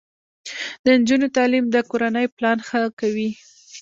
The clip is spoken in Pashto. د نجونو تعلیم د کورنۍ پلان ښه کوي.